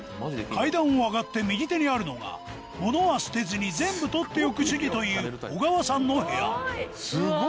階段を上がって右手にあるのがモノは捨てずに全部取っておく主義という小川さんの部屋